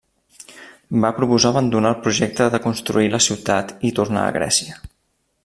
Va proposar abandonar el projecte de construir la ciutat i tornar a Grècia.